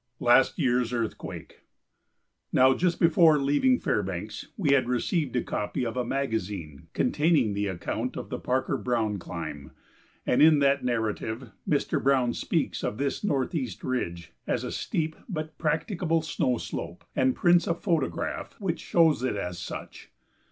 [Sidenote: Last Year's Earthquake] Now just before leaving Fairbanks we had received a copy of a magazine containing the account of the Parker Browne climb, and in that narrative Mr. Browne speaks of this Northeast Ridge as "a steep but practicable snow slope," and prints a photograph which shows it as such.